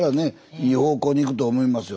いい方向に行くと思いますよ